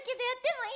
いい？